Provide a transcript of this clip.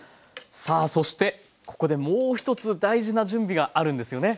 さあそしてここでもう一つ大事な準備があるんですよね？